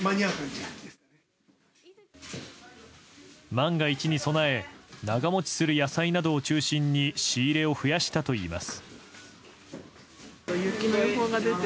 万が一に備え長持ちする野菜などを中心に仕入れを増やしたといいます。